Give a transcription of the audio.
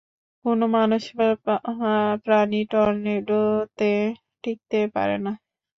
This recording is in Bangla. কোনো মানুষ বা প্রাণী টর্নেডোতে টিকতে পারে না।